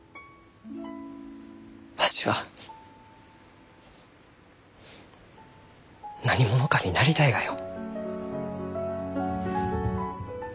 わしは何者かになりたいがよ。